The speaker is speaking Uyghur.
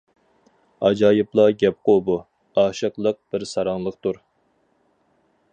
ئاجايىپلا گەپقۇ بۇ، ئاشىقلىق بىر ساراڭلىقتۇر.